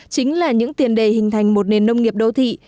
chính là những tiền đề hình thành một nền nông nghiệp đô thị